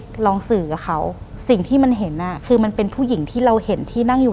หลังจากนั้นเราไม่ได้คุยกันนะคะเดินเข้าบ้านอืม